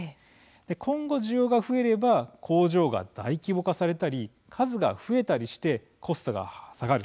今後、需要が増えれば工場が大規模化されたり数が増えたりしてコストが下がる。